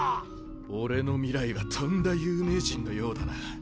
俺の未来はとんだ有名人のようだな。